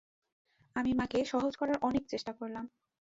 আমি মাকে সহজ করার অনেক চেষ্টা করলাম।